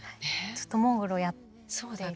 ずっとモーグルをやっていて。